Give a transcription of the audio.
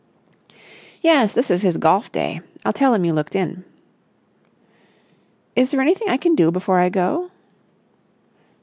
"Yes, this is his golf day. I'll tell him you looked in." "Is there anything I can do before I go?"